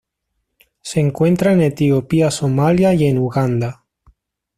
Se encuentra en Etiopía Somalia y en Uganda.